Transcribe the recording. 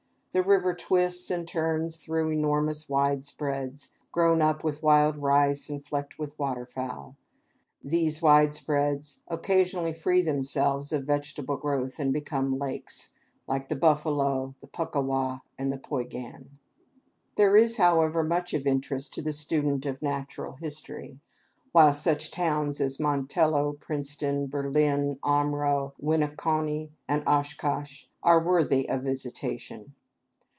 The river twists and turns through enormous widespreads, grown up with wild rice and flecked with water fowl. These widespreads occasionally free themselves of vegetable growth and become lakes, like the Buffalo, the Puckawa, and the Poygan. There is, however, much of interest to the student in natural history; while such towns as Montello, Princeton, Berlin, Omro, Winneconne, and Oshkosh are worthy of visitation.